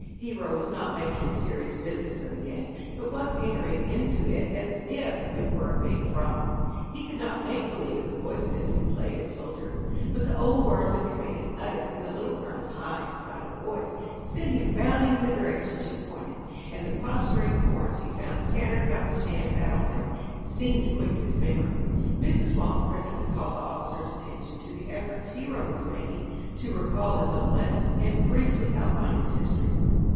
Hero was not making a serious business of the game, but was entering into it as if it were a big frolic. He could not make believe as the boys could, who played at soldiering. But the old words of command, uttered, in the Little Colonel's high, excited voice, sent him bounding in the direction she pointed, and the prostrate forms he found scattered about the sham battle field, seemed to quicken his memory. Mrs. Walton presently called the officer's attention to the efforts Hero was making to recall his old lessons, and briefly outlined his history.